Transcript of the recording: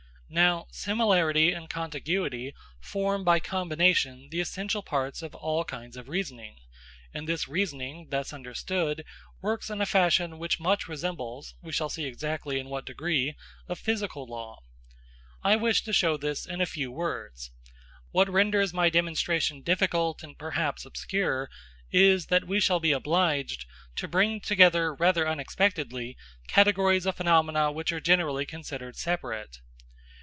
Now, similarity and contiguity form by combination the essential part of all kinds of reasoning, and this reasoning, thus understood, works in a fashion which much resembles (we shall see exactly in what degree) a physical law. I wish to show this in a few words. What renders my demonstration difficult and perhaps obscure is, that we shall be obliged to bring together rather unexpectedly categories of phenomena which are generally considered separate.